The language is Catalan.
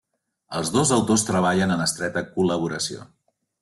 Els dos autors treballen en estreta col·laboració.